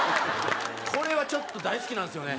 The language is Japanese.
これはちょっと大好きなんですよね。